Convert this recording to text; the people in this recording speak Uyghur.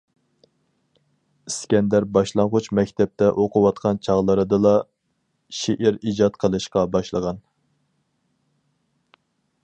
ئىسكەندەر باشلانغۇچ مەكتەپتە ئوقۇۋاتقان چاغلىرىدىلا شېئىر ئىجاد قىلىشقا باشلىغان.